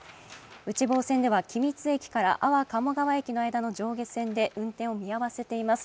内房線では君津駅から安房鴨川駅の上下線で運転を見合わせています。